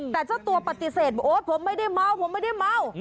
แต่เจ้าตัวปฏิเสธบอกโอ๊ยผมไม่ได้เมาผมไม่ได้เมา